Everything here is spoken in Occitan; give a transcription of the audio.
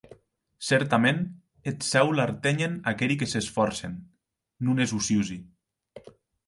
Cèrtament eth Cèu l’artenhen aqueri que s’esfòrcen, non es ociosi.